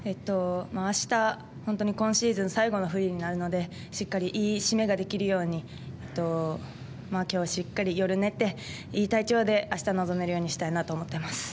明日、今シーズン最後のフリーになるのでいい締めができるように今日、しっかり夜寝ていい体調で、明日臨めるようにしたいと思います。